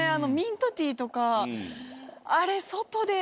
あれ。